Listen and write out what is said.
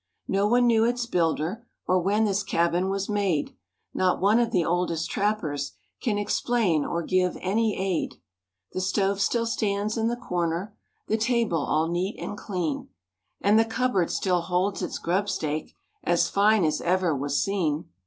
No one knew its builder Or when this cabin was made, Not one of the oldest trappers Can explain or give any aid. The stove still stands in the corner, The table all neat and clean And the cupboard still holds its grubstake As fine as ever was seen.